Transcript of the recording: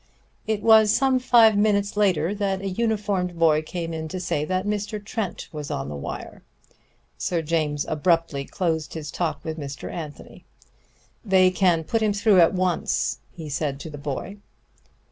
It was some five minutes later that a uniformed boy came in to say that Mr. Trent was on the wire. Sir James abruptly closed his talk with Mr. Anthony. "They can put him through at once," he said to the boy.